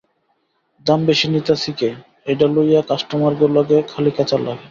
দাম বেশি নিতাছি ক্যা, এইডা লইয়া কাস্টমারগো লগে খালি ক্যাচাল লাগে।